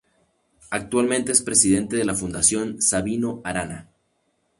Actualmente es presidente de la Fundación Sabino Arana.